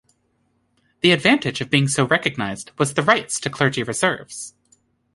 The advantage of being so recognized, was the rights to clergy reserves.